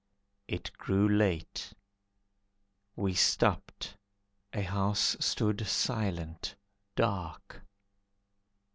It grew late. We stopped, a house stood silent, dark.